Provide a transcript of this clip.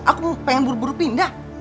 aku pengen buru buru pindah